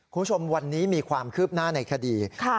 คุณผู้ชมวันนี้มีความคืบหน้าในคดี